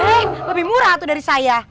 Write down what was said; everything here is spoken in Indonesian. ini lebih murah tuh dari saya